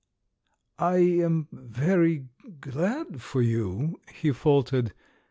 "I'm very glad for you," he faltered.